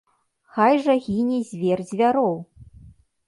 Хай жа гіне звер звяроў!